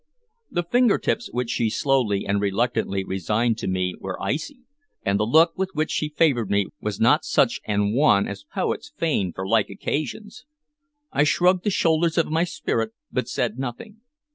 The finger tips which she slowly and reluctantly resigned to me were icy, and the look with which she favored me was not such an one as poets feign for like occasions. I shrugged the shoulders of my spirit, but said nothing.